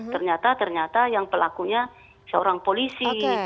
ternyata ternyata yang pelakunya seorang polisi